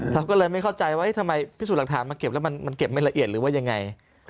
เราก็เลยไม่เข้าใจว่าทำไมพิสูจน์หลักฐานมาเก็บแล้วมันเก็บไม่ละเอียดหรือว่ายังไง